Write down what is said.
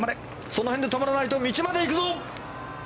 その辺で止まらないと道まで行くぞ！